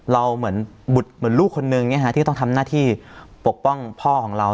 เราเหมือนบุตรเหมือนลูกคนนึงอย่างเงี้ยฮะที่ก็ต้องทำหน้าที่ปกป้องพ่อของเรา